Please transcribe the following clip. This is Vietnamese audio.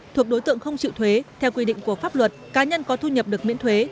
thuộc đối tượng không chịu thuế theo quy định của pháp luật cá nhân có thu nhập được miễn thuế